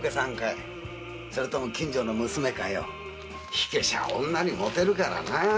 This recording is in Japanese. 火消しは女にモテるからな。